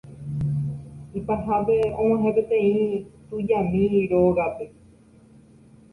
Ipahápe og̃uahẽ peteĩ tujami rógape.